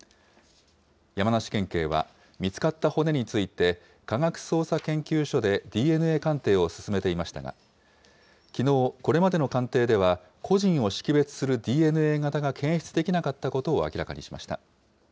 山梨県警は、見つかった骨について、科学捜査研究所でＤＮＡ鑑定を進めていましたが、きのう、これまでの鑑定では、個人を識別するＤＮＡ型が検出できなかったことを明らかにしました。